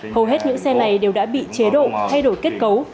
hầu hết những xe này đều đã bị chế độ thay đổi kết cấu